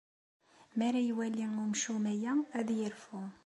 Mi ara iwali umcum aya, ad irfu.